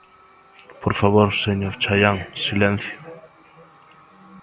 Por favor, señor Chaián, silencio.